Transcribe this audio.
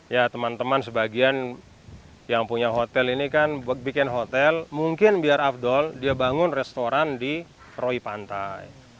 ya teman teman sebagian yang punya hotel ini kan bikin hotel mungkin biar afdol dia bangun restoran di roy pantai